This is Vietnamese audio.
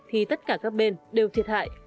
thì tất cả các bên đều thiệt hại